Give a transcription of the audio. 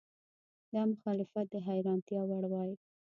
دا مخالفت د حیرانتیا وړ وای.